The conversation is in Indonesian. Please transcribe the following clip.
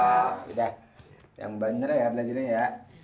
sudah yang bener ya belajarnya ya